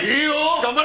頑張れ！